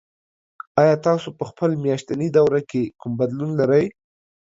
ایا تاسو په خپل میاشتني دوره کې کوم بدلون لرئ؟